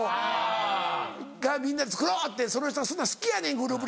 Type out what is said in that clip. あ！がみんなで作ろうってその人そんなん好きやねんグループ